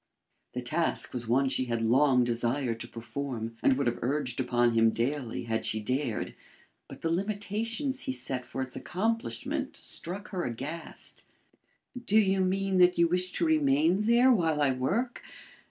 The task was one she had long desired to perform, and would have urged upon him daily had she dared, but the limitations he set for its accomplishment struck her aghast. "Do you mean that you wish to remain there while I work?